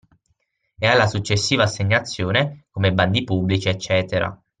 E alla successiva assegnazione, come bandi pubblici, eccetera.